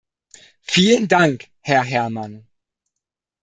Vielen Dank, Herr Herman.